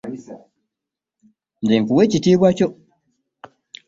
Nze nkuwa ekitiibwa kyo.